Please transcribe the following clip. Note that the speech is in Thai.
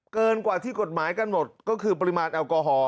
เกินกว่าที่กฎหมายกำหนดก็คือปริมาณแอลกอฮอล